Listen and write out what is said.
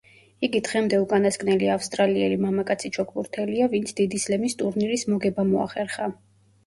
იგი დღემდე უკანასკნელი ავსტრალიელი მამაკაცი ჩოგბურთელია, ვინც დიდი სლემის ტურნირის მოგება მოახერხა.